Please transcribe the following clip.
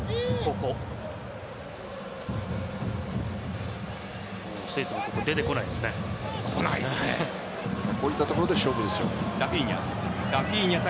こういったところで勝負ですよ。